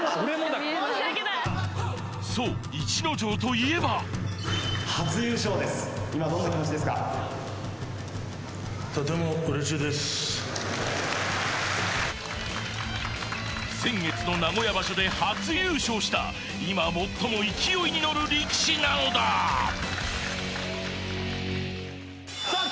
だけど申し訳ないそう逸ノ城といえば先月の名古屋場所で初優勝した今最も勢いに乗る力士なのださあ